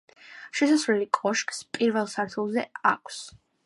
შესასვლელი კოშკს პირველ სართულზე აქვს.